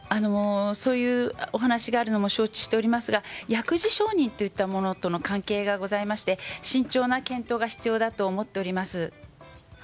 そういうお話があるのも承知しておりますが薬事承認といったものとの関係がございまして慎重な検討が必要だと思っております。